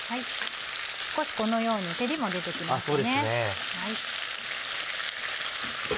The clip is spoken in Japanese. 少しこのように照りも出てきましたね。